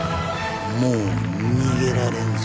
もう逃げられんぞ。